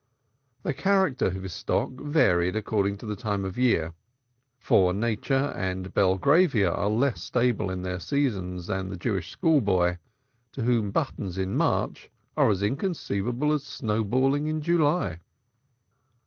The character of his stock varied according to the time of year, for nature and Belgravia are less stable in their seasons than the Jewish schoolboy, to whom buttons in March are as inconceivable as snow balling in July.